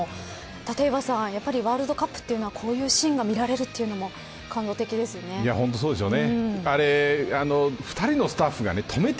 立岩さん、やっぱりワールドカップというのはこういうシーンが見られる本当、そうですよね。